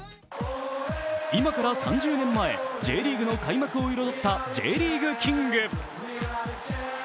今から３０年前、Ｊリーグの開幕を彩ったＪリーグキング。